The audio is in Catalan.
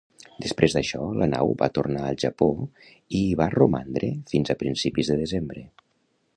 Després d'això, la nau va tornar al Japó i hi va romandre fins a principis de desembre.